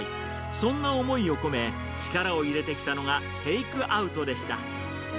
そんな思いを込め、力を入れてきたのがテイクアウトでした。